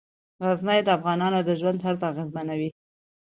غزني د افغانانو د ژوند طرز اغېزمنوي.